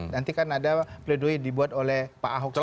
nanti kan ada pledoi dibuat oleh pak ahok